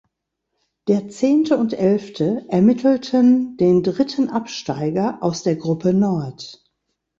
Der Zehnte und Elfte ermittelten den dritten Absteiger aus der Gruppe Nord.